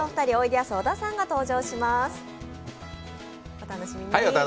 お楽しみに。